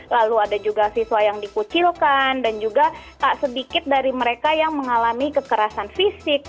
lalu ada juga siswa yang dikucilkan dan juga tak sedikit dari mereka yang mengalami kekerasan fisik